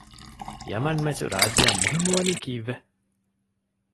ޔަމަން މެޗު ރާއްޖެ އަށް މުހިއްމުވަނީ ކީއްވެ؟